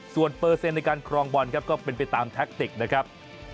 ส่วนเปอร์เซ็นต์ในการครองบอลครับก็เป็นไปตามแท็กติกนะครับ